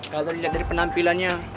kalau dilihat dari penampilannya